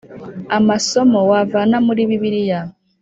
Amasomo wavana muri Bibiliya